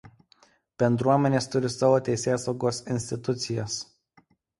Bendruomenės turi savo teisėsaugos institucijas.